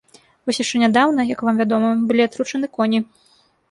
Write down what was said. Вось яшчэ нядаўна, як вам вядома, былі атручаны коні.